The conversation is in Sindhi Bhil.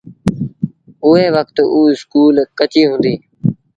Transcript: اُئي وکت اُ اسڪول ڪچيٚ هُݩدي۔